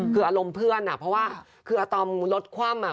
คืออารมณ์เพื่อนเพราะว่าคือตอนรถคว่ำ